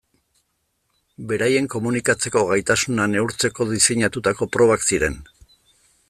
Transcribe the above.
Beraien komunikatzeko gaitasuna neurtzeko diseinatutako probak ziren.